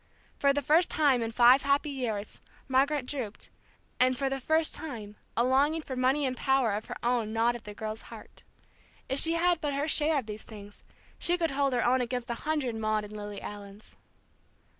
For the first time in five happy years, Margaret drooped, and for the first time a longing for money and power of her own gnawed at the girl's heart. If she had but her share of these things, she could hold her own against a hundred Maude and Lily Allens.